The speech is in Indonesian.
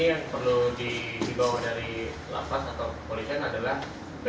karena melihat ada ratusan lelaki